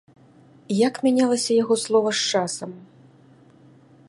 Як мянялася яго слова з часам?